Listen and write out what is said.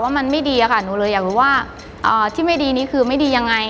ว่ามันไม่ดีอะค่ะหนูเลยอยากรู้ว่าที่ไม่ดีนี้คือไม่ดียังไง